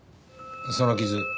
その傷